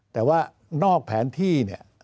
แต่ว่านอกแผนที่